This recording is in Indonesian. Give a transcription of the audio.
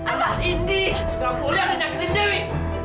kamu ini nggak boleh nganjakin dewi